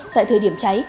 tại thời điểm cháy